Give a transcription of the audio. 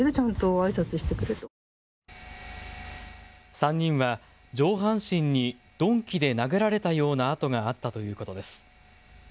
３人は上半身に鈍器で殴られたような痕があったということです。